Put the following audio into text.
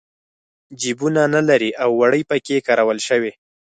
جېبونه نه لري او وړۍ پکې کارول شوي.